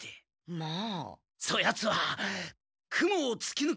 まあ！